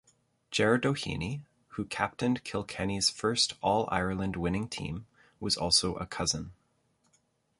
Jer Doheny, who captained Kilkenny's first All-Ireland winning team, was also a cousin.